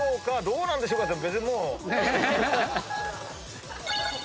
どうなんでしょうかって。